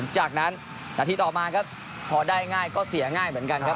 จากนั้นนาทีต่อมาครับพอได้ง่ายก็เสียง่ายเหมือนกันครับ